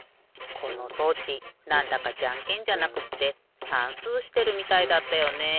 この装置なんだかじゃんけんじゃなくってさんすうしてるみたいだったよね。